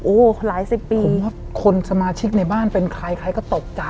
โอ้โหหลายสิบปีผมว่าคนสมาชิกในบ้านเป็นใครใครก็ตกใจ